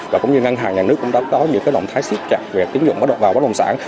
và cũng như ngân hàng nhà nước cũng đã có những động thái siết chặt về tín dụng bắt đầu vào bất động sản